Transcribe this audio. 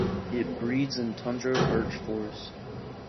It breeds in tundra birch forest.